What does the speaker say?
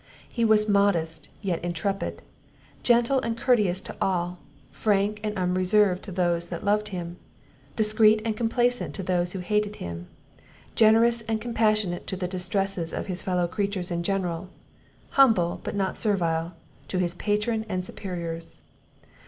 He was modest, yet intrepid; gentle and courteous to all; frank and unreserved to those that loved him, discreet and complaisant to those who hated him; generous and compassionate to the distresses of his fellow creatures in general; humble, but not servile, to his patron and superiors.